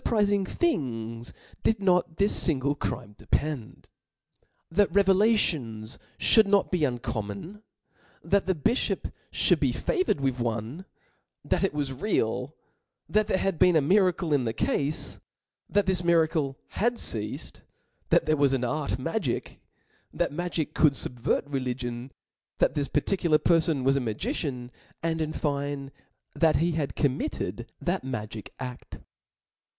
prizing things did not this fingle crime depend ? That revelations ftiduld not be uncommon, that the bifhop fhould be favoured with one, that it was real, that there had been a miracle irt the tafe, that this miracle had ceafed, that there was an art magic, that magic could fubvert re "gion, that this particular perfon was a magi T 2 cian. 276 THE SPIRIT Book cian, and, in fine, that he had comnxitted that Chap"*, magic aft.